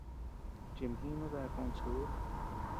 Chimjinu dae kochid ú.